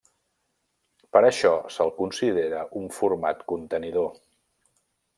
Per això se'l considera un format contenidor.